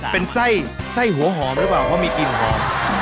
เป็นไส้หัวหอมหรือเปล่าเพราะมีกลิ่นหอม